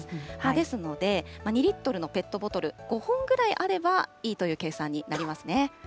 ですので、２リットルのペットボトル５本くらいあればいいという計算になりますね。